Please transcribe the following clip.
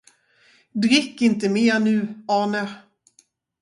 Drick inte mer nu, Arne.